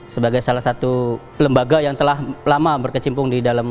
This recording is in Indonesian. sebagai salah satu lembaga yang telah lama berkecimpung di dalam